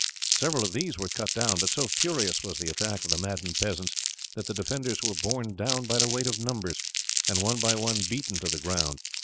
Several of these were cut down, but so furious was the attack of the maddened peasants that the defenders were borne down by the weight of numbers, and one by one beaten to the ground.